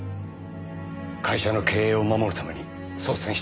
会社の経営を守るために率先して。